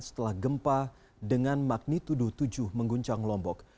setelah gempa dengan magnitudo tujuh mengguncang lombok